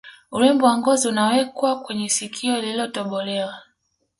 Urembo wa ngozi unawekwa kwenye sikio lilotobolewa